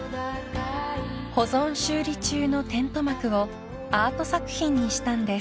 ［保存修理中のテント幕をアート作品にしたんです］